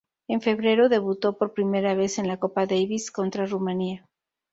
En febrero debutó por primera vez en la Copa Davis contra Rumania.